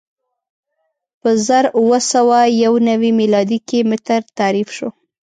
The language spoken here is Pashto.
په زر اووه سوه یو نوې میلادي کې متر تعریف شو.